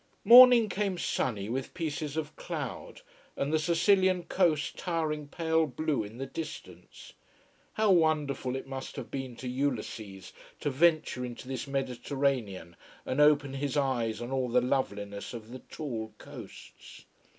Morning came sunny with pieces of cloud: and the Sicilian coast towering pale blue in the distance. How wonderful it must have been to Ulysses to venture into this Mediterranean and open his eyes on all the loveliness of the tall coasts.